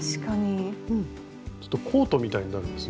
ちょっとコートみたいになるんですね。